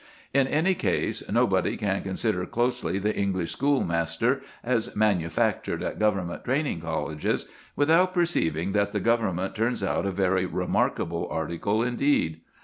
In any case, nobody can consider closely the English schoolmaster as manufactured at Government training colleges without perceiving that the Government turns out a very remarkable article indeed.